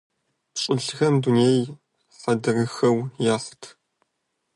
ПщылӀхэм дунейр хьэдрыхэу яхьырт.